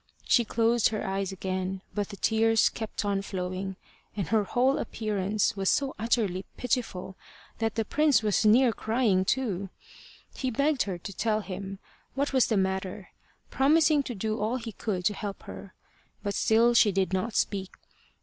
She closed her eyes again, but the tears kept on flowing, and her whole appearance was so utterly pitiful that the prince was near crying too. He begged her to tell him what was the matter, promising to do all he could to help her; but still she did not speak.